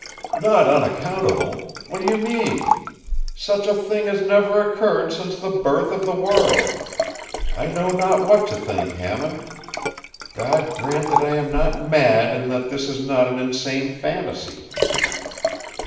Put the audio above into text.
” “Not unaccountable! What do you mean? Such a thing has never occurred since the birth of the world. I know not what to think, Hammond. God grant that I am not mad and that this is not an insane fantasy!